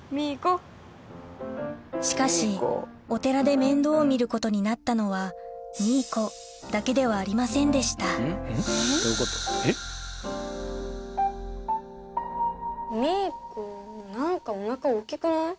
しかしお寺で面倒を見ることになったのはミー子だけではありませんでしたミー子何かお腹大っきくない？